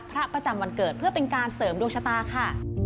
ประจำวันเกิดเพื่อเป็นการเสริมดวงชะตาค่ะ